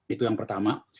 itu yang pertama